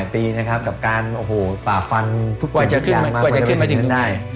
๘ปีนะครับกับการปราบฟันทุกอย่างมากกว่าจะถึงได้